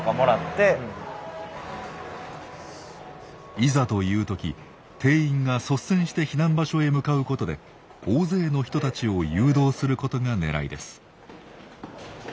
いざという時店員が率先して避難場所へ向かうことで大勢の人たちを誘導することがねらいです。